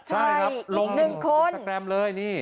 ใช่ลงกิโลกรัมเลยนี่